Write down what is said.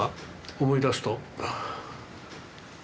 思い出すと。